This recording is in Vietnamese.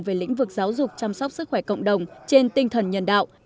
về lĩnh vực giáo dục chăm sóc sức khỏe cộng đồng trên tinh thần nhân đạo